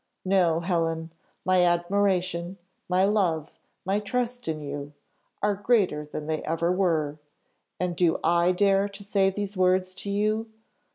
No, Helen, my admiration, my love, my trust in you, are greater than they ever were. And do I dare to say these words to you?